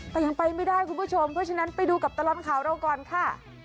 แต่ยังไปไม่ได้คุณผู้ชมเพราะฉะนั้นไปดูกับตลอดข่าวเราก่อนค่ะ